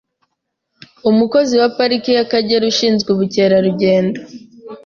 Umukozi wa Pariki y’Akagera ushinzwe ubukerarugendo